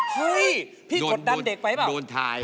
เฮ้ยพี่กดดันเด็กไปหรือเปล่า